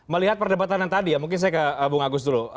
melihat perdebatan yang tadi ya mungkin saya ke bung agus dulu